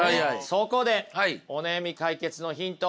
そこでお悩み解決のヒント